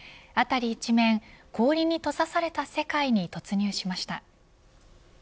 辺り一面、氷に閉ざされた世界に突入しました。